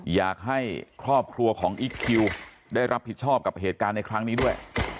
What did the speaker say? อยากให้ครอบครัวของอิ๊กคิวได้รับผิดชอบกับเหตุการณ์ในครั้งนี้ด้วย